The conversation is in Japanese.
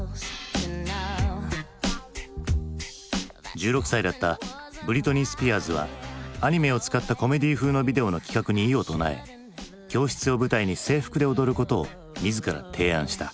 １６歳だったブリトニー・スピアーズはアニメを使ったコメディー風のビデオの企画に異を唱え教室を舞台に制服で踊ることを自ら提案した。